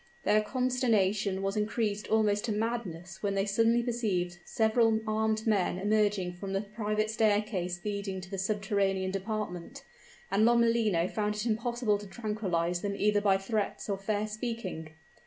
Their consternation was increased almost to madness when they suddenly perceived several armed men emerging from the private staircase leading to the subterranean department, and Lomellino found it impossible to tranquilize them either by threats or fair speaking.